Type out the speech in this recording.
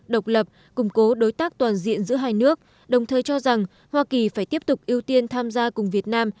độc lập củng cố đối tác toàn diện giữa hai nước đồng thời cho rằng hoa kỳ phải tiếp tục ưu tiên tham gia cùng việt nam